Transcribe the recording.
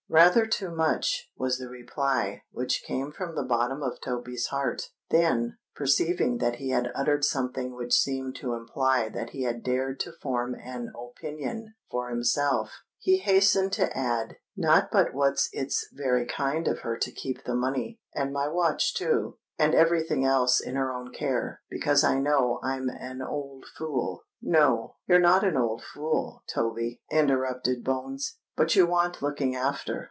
"Rather too much," was the reply, which came from the bottom of Toby's heart: then, perceiving that he had uttered something which seemed to imply that he had dared to form an opinion for himself, he hastened to add, "Not but what it's very kind of her to keep the money—and my watch too—and every thing else in her own care, because I know I'm an old fool——" "No—you're not a fool, Toby," interrupted Bones; "but you want looking after.